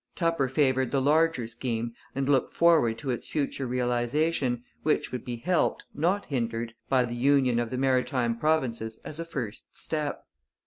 Tupper favoured the larger scheme, and looked forward to its future realization, which would be helped, not hindered, by the union of the Maritime Provinces as a first step.